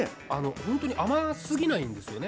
本当に甘すぎないんですよね。